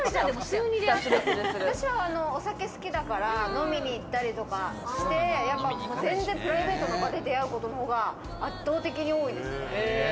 私はお酒好きだから海に行ったりとかして、全然プライベートな場で出会うことのほうが圧倒的に多いです。